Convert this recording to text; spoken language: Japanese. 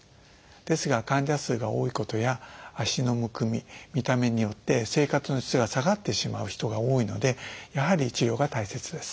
ですが患者数が多いことや足のむくみ見た目によって生活の質が下がってしまう人が多いのでやはり治療が大切です。